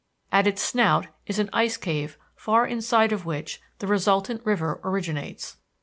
At its snout is an ice cave far inside of which the resultant river originates.